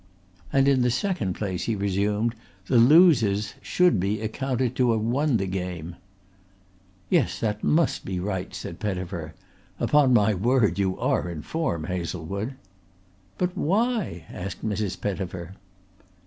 "And in the second place," he resumed, "the losers should be accounted to have won the game." "Yes, that must be right," said Pettifer. "Upon my word you are in form, Hazlewood." "But why?" asked Mrs. Pettifer.